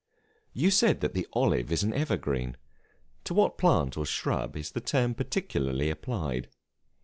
You said that the olive is an Evergreen: to what plant or shrub is the term particularly applied?